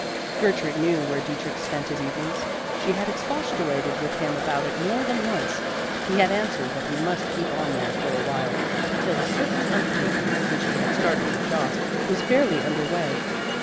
Gertrude knew where Dietrich spent his evenings. She had expostulated with him about it more than once. He had answered that he must keep on there for awhile, till a certain undertaking which he had started with Jost was fairly under way.